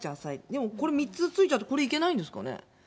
でも、これ３つついちゃって、これ、いけないんですかね。